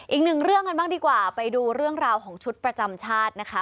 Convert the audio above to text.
อีกหนึ่งเรื่องกันบ้างดีกว่าไปดูเรื่องราวของชุดประจำชาตินะคะ